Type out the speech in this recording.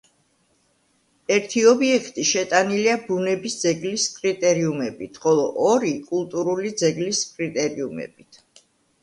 ერთი ობიექტი შეტანილია ბუნები ძეგლის კრიტერიუმებით, ხოლო ორი კულტურული ძეგლის კრიტერიუმებით.